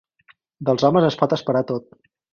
Dels homes es pot esperar tot.